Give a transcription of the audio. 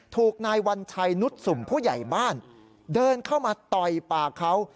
ถูกนายวัญชัยนุษย์สุ่มผู้ใหญ่บ้านเดินเข้ามาต่อยปากเขา